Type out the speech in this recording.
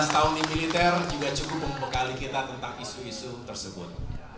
lima belas tahun di militer juga cukup membekali kita tentang isu isu tersebut